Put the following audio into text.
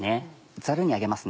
ザルに上げます。